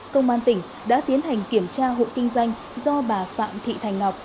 công an tỉnh đã tiến hành kiểm tra hộ kinh doanh do bà phạm thị thành ngọc